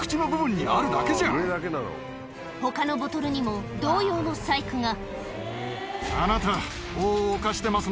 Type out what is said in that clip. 他のボトルにも同様の細工がお。